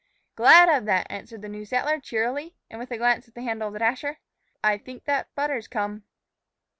"Glad of that," answered the new settler, cheerily, and, with a glance at the handle of the dasher, "I think that butter's come."